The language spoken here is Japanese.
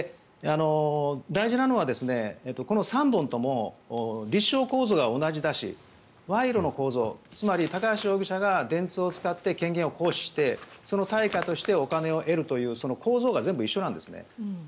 大事なのはこの３本とも立証構図が同じだし賄賂の構造つまり高橋容疑者が電通を使って権限を行使してその対価としてお金を得るという構造が全部一緒なんですね。